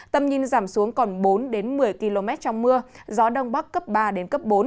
tầm nhìn giảm xuống còn bốn đến một mươi km trong mưa gió đông bắc cấp ba đến cấp bốn